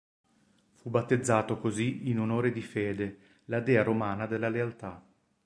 Fu battezzato così in onore di Fede, la dea romana della lealtà.